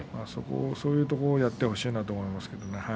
そういうところをやってほしいと思います。